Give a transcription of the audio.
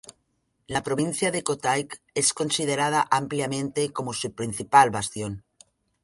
La provincia de Kotayk' es considerada ampliamente como su principal bastión.